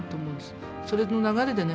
それの流れでね